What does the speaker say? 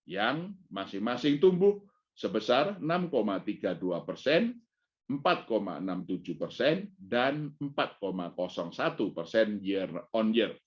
yang masing masing tumbuh sebesar enam tiga puluh dua persen empat enam puluh tujuh persen dan empat satu persen year on year